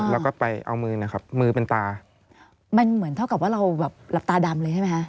แล้วก็ไปเอามือนะครับมือเป็นตามันเหมือนเท่ากับว่าเราแบบหลับตาดำเลยใช่ไหมคะ